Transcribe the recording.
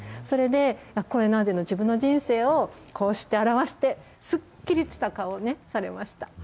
それで、これまでの自分の人生を、こうして表して、すっきりした顔をされました。